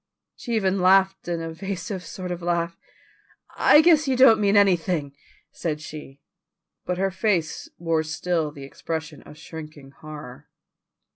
She even laughed an evasive sort of laugh. "I guess you don't mean anything," said she, but her face wore still the expression of shrinking horror.